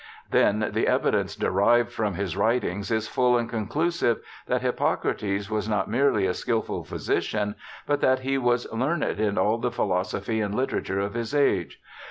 Then, the evidence derived from his writings is full and conclusive, that Hippocrates was not merely a skilful physician, but that he was learned in all the philosophy and literature of his age.